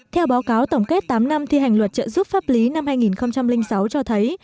theo báo cáo tổng kết tám năm thi hành luật trợ giúp pháp lý năm hai nghìn sáu cho thấy